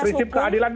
prinsip keadilan ini